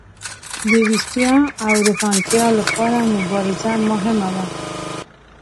د ویښتیا او روښانتیا لپاره مبارزه مهمه وه.